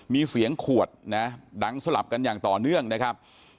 มีเสียงขวดนะดังสลับกันอย่างต่อเนื่องนะครับ